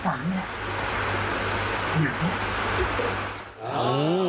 ระยะ๓แหละ